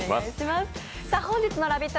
本日のラヴィット！